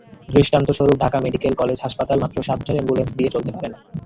দৃষ্টান্তস্বরূপ, Dhaka Medical College হাসপাতাল মাত্র সাতটা অ্যাম্বুলেন্স দিয়ে চলতে পারে না।